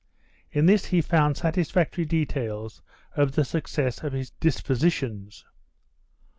In this he found satisfactory details of the success of his dispositions.